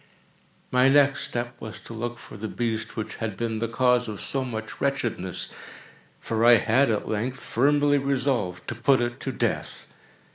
My next step was to look for the beast which had been the cause of so much wretchedness; for I had, at length, firmly resolved to put it to death.